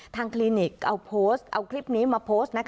ทางคลินิกเอาคลิปนี้มาโพสต์